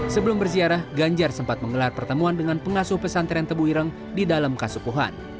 sebelum bersiarah ganjar sempat mengelar pertemuan dengan pengasuh pesantren tubuh ireng di dalam kasukuhan